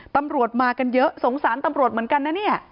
ตำรวจมากันเยอะสงสารตำรวจเหมือนกันนะเนี่ย